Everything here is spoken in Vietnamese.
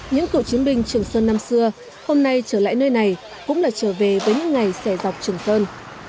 những cựu chiến binh trường sơn năm xưa hôm nay trở lại nơi này cũng là trở về với những ngày xẻ dọc trường sơn